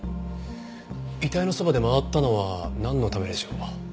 遺体のそばで回ったのはなんのためでしょう？